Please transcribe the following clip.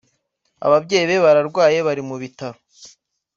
ababyeyi be bararwaye bari mubitaro